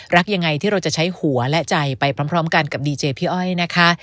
รักยังไงที่เราจะใช้หัวและใจไปพร้อมกันกับดีเจพี่อ้อยนะคะ